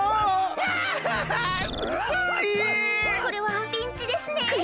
これはピンチですね。